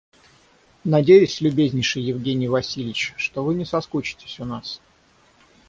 Надеюсь, любезнейший Евгений Васильич, что вы не соскучитесь у нас.